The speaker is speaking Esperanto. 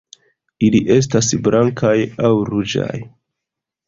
Ili estas blankaj aŭ ruĝaj.